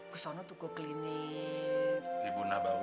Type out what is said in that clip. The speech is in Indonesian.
ke sana tuh ke klinik